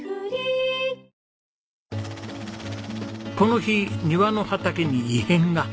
この日庭の畑に異変が。